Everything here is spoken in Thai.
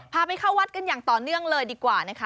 ไปเข้าวัดกันอย่างต่อเนื่องเลยดีกว่านะคะ